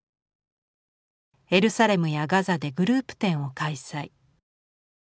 エルサレムやガザでグループ展を開催。